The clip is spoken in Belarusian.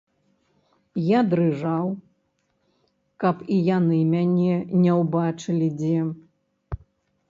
Я дрыжаў, каб і яны мяне не ўбачылі дзе.